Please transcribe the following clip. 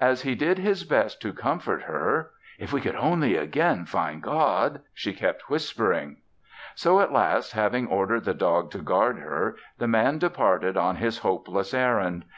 As he did his best to comfort her, "If we could only again find God " she kept whispering. So at last, having ordered the dog to guard her, the Man departed on his hopeless errand.